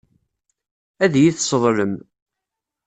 Ad iyi-tesseḍlem.